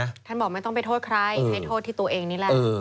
ท่านบอกไม่ต้องไปโทษใครให้โทษที่ตัวเองนี่แหละ